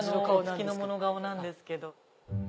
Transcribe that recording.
お付きの者顔なんですけど。